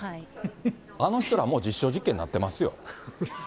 あの人ら、もう実証実験になってますよ。